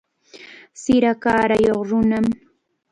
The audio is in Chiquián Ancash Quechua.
Sira kaarayuq nunam.